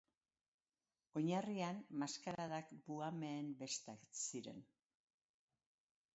Oinarrian, maskaradak buhameen bestak ziren.